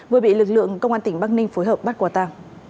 vừa bị lực lượng công an tỉnh bắc ninh phối hợp bắt quả tàng